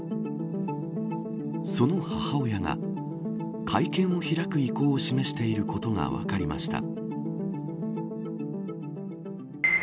その母親が会見を開く意向を示していることが分かりました。